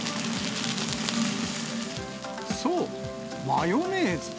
そう、マヨネーズ。